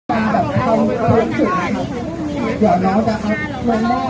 สวัสดีครับทุกคนวันนี้เกิดขึ้นเกิดขึ้นทุกวันนี้นะครับ